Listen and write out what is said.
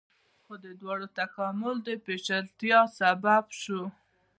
خو د دواړو تکامل د پیچلتیا سبب شو.